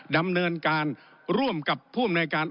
ดำเนินการร่วมกับผู้อำนวยการ